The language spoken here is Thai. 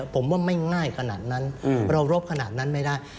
ผมว่าไม่ง่ายขนาดนั้นเรารบขนาดนั้นไม่ได้